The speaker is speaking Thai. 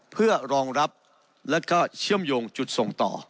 เพื่อรองรับและก็เชื่อมโยงจุดส่งต่อ